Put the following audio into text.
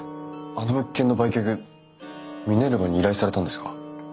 あの物件の売却ミネルヴァに依頼されたんですか？